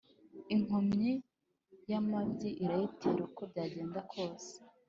Inkomyi y’amabyi irayitera uko byagenda kose